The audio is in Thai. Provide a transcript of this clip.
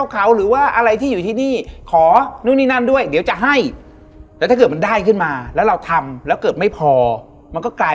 ก็อยู่ได้ปกติสบาย